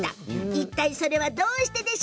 いったい、それはどうして？